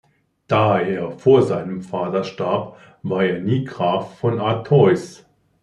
Da er vor seinem Vater starb war er nie Graf von Artois.